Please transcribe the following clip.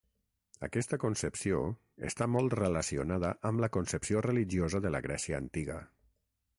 Aquesta concepció està molt relacionada amb la concepció religiosa de la Grècia antiga.